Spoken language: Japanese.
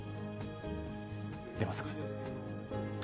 出ますかね。